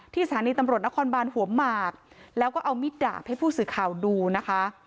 สถานีตำรวจนครบานหัวหมากแล้วก็เอามิดดาบให้ผู้สื่อข่าวดูนะคะ